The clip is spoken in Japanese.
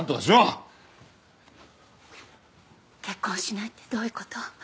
結婚しないってどういう事？